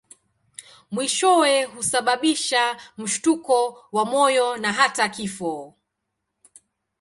Mwishowe husababisha mshtuko wa moyo na hata kifo.